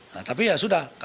nah tapi ya sudah